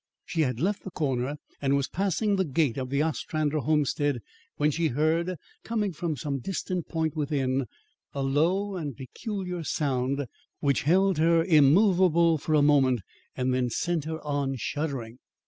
She had left the corner and was passing the gate of the Ostrander homestead, when she heard, coming from some distant point within, a low and peculiar sound which held her immovable for a moment, then sent her on shuddering.